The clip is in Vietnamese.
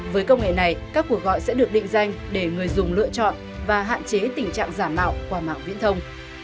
với công nghệ này các cuộc gọi sẽ được định danh để người dùng lựa chọn và hạn chế tình trạng giả mạo qua mạng viễn thông